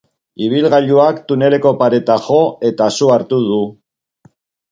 Ibilgailuak tuneleko pareta jo eta su hartu du.